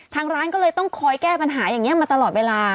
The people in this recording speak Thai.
ทางร้านก็เลยต้องคอยแก้ปัญหาอย่างนี้มาตลอดเวลา